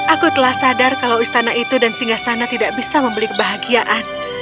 aku telah sadar kalau istana itu dan singa sana tidak bisa membeli kebahagiaan